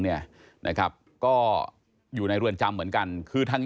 และก็จะรับความจริงของตัวเอง